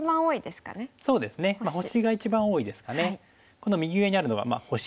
この右上にあるのが「星」。